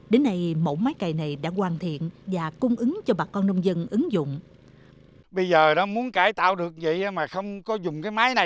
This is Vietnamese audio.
đến nay mẫu máy cày này đã hoàn thiện và cung ứng cho bà con nông dân ứng dụng